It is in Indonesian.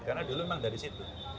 karena dulu memang dari situ